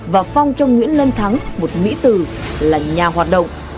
và phong cho nguyễn lân thắng một mỹ tử là nhà hoạt động